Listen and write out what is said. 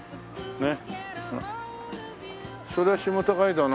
ねっ。